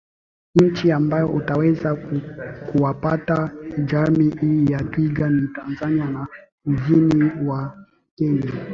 Nchi ambazo utaweza kuwapata jaami hii ya twiga ni Tanzania na Kusini mwa Kenya